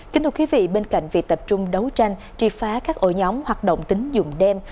kính thưa quý vị bên cạnh việc tập trung đấu tranh tri phá các ổ nhóm hoạt động tín dụng đem